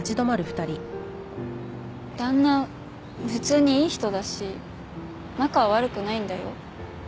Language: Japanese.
旦那普通にいい人だし仲は悪くないんだよ。